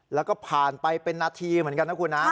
แล้วก็ผ่านไปเป็นนาทีเหมือนกันนะคุณนะ